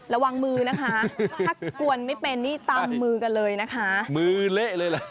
ระวังมือนะคะถ้ากวนไม่เป็นนี่ตำมือกันเลยนะคะมือเละเลยล่ะ